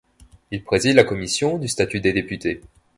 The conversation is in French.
Il préside la commission du Statut des députés.